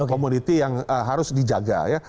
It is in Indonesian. komoditi yang harus dijaga ya